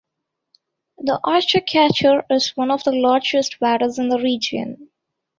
The oystercatcher is one of the largest waders in the region.